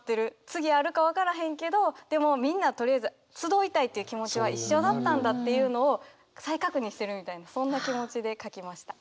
次あるか分からへんけどでもみんなとりあえず集いたいっていう気持ちは一緒だったんだっていうのを再確認してるみたいなそんな気持ちで書きました。